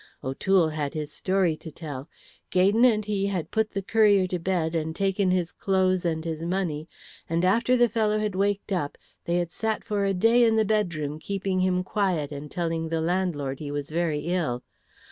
O'Toole had his story to tell. Gaydon and he had put the courier to bed and taken his clothes and his money, and after the fellow had waked up, they had sat for a day in the bedroom keeping him quiet and telling the landlord he was very ill.